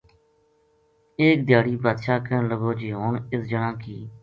ایک دھیاڑی بادشاہ کہن لگو جی ہن اس جنا کی